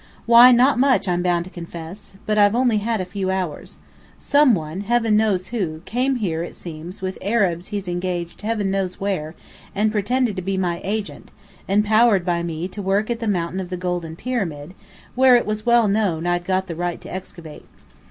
"Why, not much, I'm bound to confess. But I've had only a few hours. Some one heaven knows who came here, it seems, with Arabs he'd engaged heaven knows where, and pretended to be my agent, empowered by me to work at the Mountain of the Golden Pyramid, where it was well known I'd got the right to excavate.